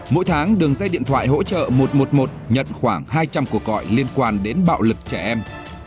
mỗi tháng đường dây điện thoại hỗ trợ một trăm một mươi một nhận khoảng hai trăm linh cuộc gọi liên quan đến bạo lực trẻ em